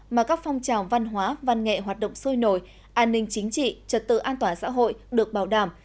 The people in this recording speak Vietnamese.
mà các phong trào văn hóa văn nghệ hoạt động sôi nổi an ninh chính trị trật tự an toàn xã hội được bảo đảm